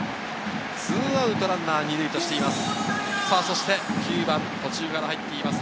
２アウトランナー２塁としています。